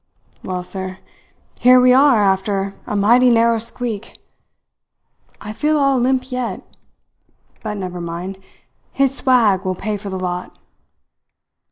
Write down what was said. Well, sir, here we are after a mighty narrow squeak. I feel all limp yet; but never mind his swag will pay for the lot!"